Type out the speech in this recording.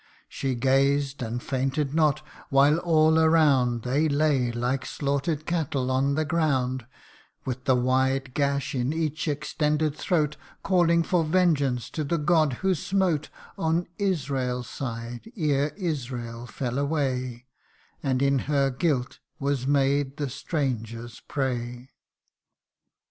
She gazed and fainted not, while all around They lay like slaughter'd cattle on the ground ; With the wide gash in each extended throat, Calling for vengeance to the God who smote On Israel's side, ere Israel fell away, And in her guilt was made the stranger's prey.